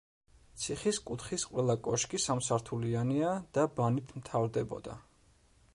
ციხის კუთხის ყველა კოშკი სამსართულიანია და ბანით მთავრდებოდა.